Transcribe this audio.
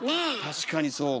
確かにそうか。